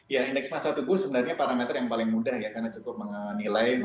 ya indeks masa tubuh sebenarnya parameter yang paling mudah ya karena cukup menilai